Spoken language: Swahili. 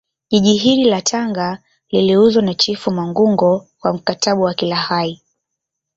Jiji hili la Tanga liliuzwa na chifu mangungo kwa mkataba wa kilaghai